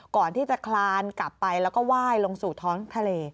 ก่อนที่จะคลานกลับไปแล้วก็ไหว้ลงสู่ท้องทะเล